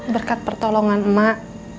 berkat pertolongan mak